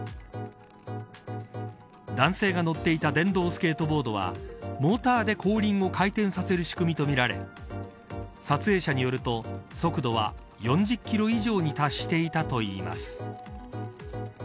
男性が乗っていた電動スケートボードはモーターで後輪を回転させる仕組みとみられ撮影者によると速度は４０キロ以上に達していたといいます。